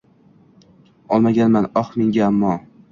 Olmaganman ox menga ammo